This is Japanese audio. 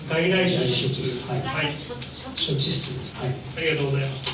ありがとうございます。